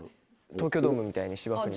東京ドームみたいに芝生に。